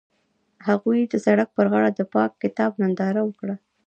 هغوی د سړک پر غاړه د پاک کتاب ننداره وکړه.